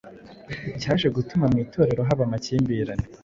cyaje gutuma mu Itorero haba amakimbirane